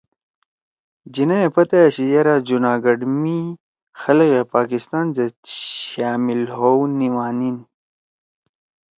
جناح یے پتہ أشی یرأ جوناگڑھ می خلگے پاکستان سیت شمال ہؤ نی نمِانیِن۔